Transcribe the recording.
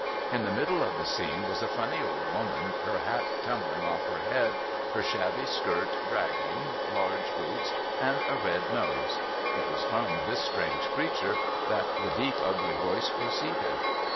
In the middle of the scene was a funny old woman, her hat tumbling off her head, her shabby skirt dragging, large boots, and a red nose. It was from this strange creature that the deep ugly voice proceeded.